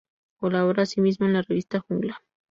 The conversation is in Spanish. Colabora asimismo en la revista "Jungla".